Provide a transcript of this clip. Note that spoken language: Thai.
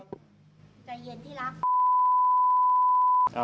ใจเย็นที่รัก